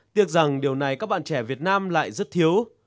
tiếc rằng điều này các bạn trẻ việt nam lại rất thiếu